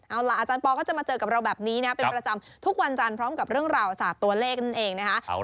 เอาล่ะอาจารย์ปอลก็จะมาเจอกับเราแบบนี้นะเป็นประจำทุกวันจันทร์พร้อมกับเรื่องราวศาสตร์ตัวเลขนั่นเองนะคะ